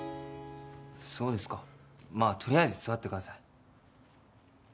そうですかまぁ取りあえず座ってください。